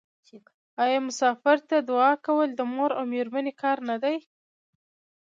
آیا مسافر ته دعا کول د مور او میرمنې کار نه دی؟